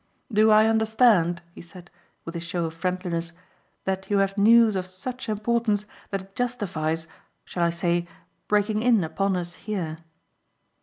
"Do I understand," he said, with a show of friendliness, "that you have news of such importance that it justifies, shall I say breaking in upon us here?"